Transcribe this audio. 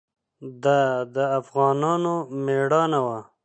دا د افغانانو مېړانه وه.